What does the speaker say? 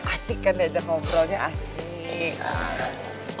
asik kan diajak ngobrolnya asik